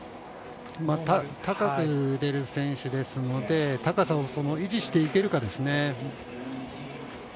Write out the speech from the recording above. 高く出る選手ですので高さを維持していけるかですね。